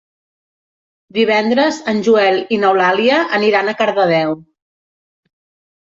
Divendres en Joel i n'Eulàlia aniran a Cardedeu.